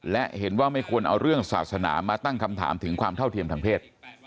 และเห็นว่าไม่ควรเอาเรื่องศาสนามาตั้งคำถามถึงความเท่าเทียมทางเพศ